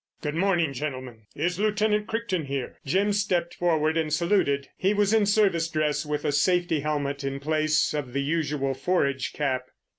"Good morning, gentlemen. Is Lieutenant Crichton here?" Jim stepped forward and saluted. He was in service dress, with a safety helmet in place of the usual forage cap.